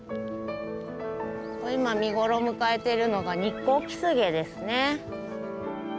今見頃を迎えているのがニッコウキスゲですね。